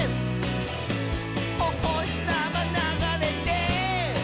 「おほしさまながれて」